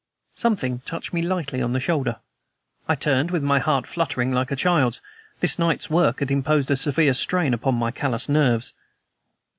Something touched me lightly on the shoulder. I turned, with my heart fluttering like a child's. This night's work had imposed a severe strain even upon my callous nerves.